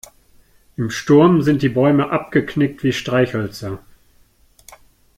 Im Sturm sind die Bäume abgeknickt wie Streichhölzer.